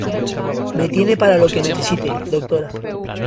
me tiene para lo que necesite, doctora.